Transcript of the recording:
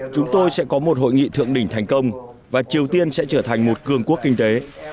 chúng tôi sẽ có một hội nghị thượng đỉnh thành công và triều tiên sẽ trở thành một cường quốc kinh tế